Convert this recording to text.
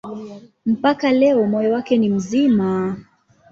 Mpaka leo moyo wake ni mzima.